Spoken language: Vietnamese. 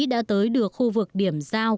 đã tới được khu vực điểm giao